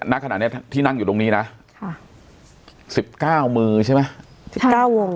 ณขนาดเนี้ยที่นั่งอยู่ตรงนี้นะค่ะสิบเก้ามือใช่ไหมสิบเก้าวง